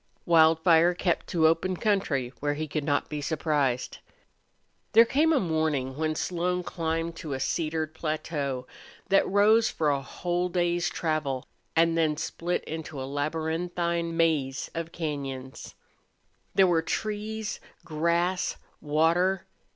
Wildfire kept to open country where he could not be surprised. There came a morning when Slone climbed to a cedared plateau that rose for a whole day's travel, and then split into a labyrinthine maze of cañons. There were trees, grass, water.